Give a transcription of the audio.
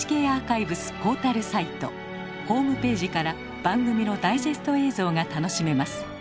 ホームページから番組のダイジェスト映像が楽しめます。